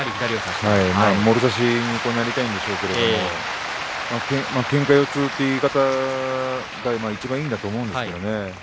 もろ差しになりたいんでしょうけどもけんか四つという言い方がいちばんいいなと思うんです。